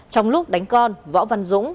trong lúc đánh con võ văn dũng